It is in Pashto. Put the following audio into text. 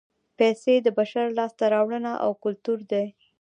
پیسې د بشر لاسته راوړنه او کولتور دی